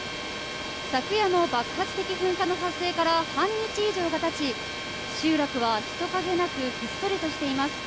昨夜の爆発的噴火の発生から半日以上が経ち集落は人影なくひっそりとしています。